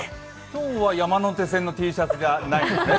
今日は山手線のＴシャツじゃないんですね。